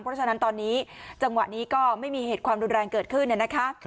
เพราะฉะนั้นตอนนี้จังหวะนี้ก็ไม่มีเหตุความรุนแรงเกิดขึ้นนะคะ